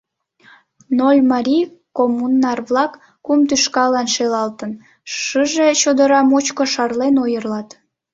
Нольмарий коммунар-влак, кум тӱшкалан шелалтын, шыже чодыра мучко шарлен ойырлат.